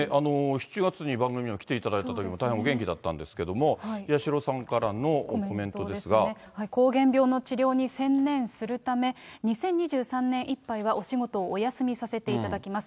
７月に番組にも来ていただいたときも大変お元気だったんですけれども、膠原病の治療に専念するため、２０２３年いっぱいはお仕事をお休みさせていただきます。